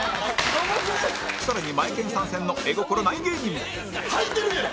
更にマエケン参戦の絵心ない芸人はいてるやん！